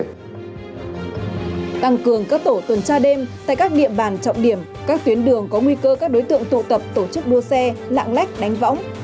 tăng cường các tổ tuần tra đêm tại các địa bàn trọng điểm các tuyến đường có nguy cơ các đối tượng tụ tập tổ chức đua xe lạng lách đánh võng